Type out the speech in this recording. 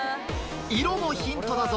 色もヒントだぞ。